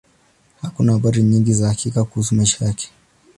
Hakuna habari nyingi za hakika kuhusu maisha yake.